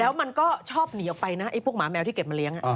แล้วมันก็ชอบหนีออกไปนะไอ้พวกหมาแมวที่เก็บมาเลี้ยง